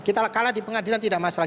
kita kalah di pengadilan tidak masalah